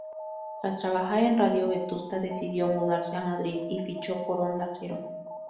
Tras trabajar en Radio Vetusta decidió mudarse a Madrid y fichó por Onda Cero.